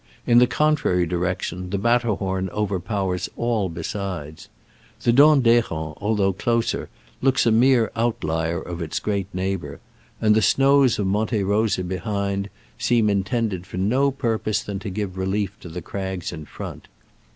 In the contrary direction the Matter horn overpowers all besides. The Dent d' Kerens, although closer, looks a mere outlier of its great neighbor, and the snows of Monte Rosa behind seem in tended for no other purpose than to give relief to the crags in front.